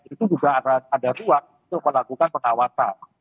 itu juga ada ruang untuk melakukan pengawasan